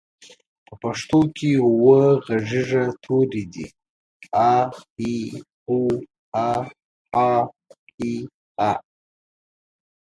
په پښتو کې اووه غږيز توري دي: اَ، اِ، اُ، اٗ، اٰ، اٖ، أ.